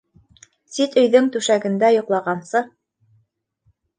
Сит өйҙөң түшәгендә йоҡлағансы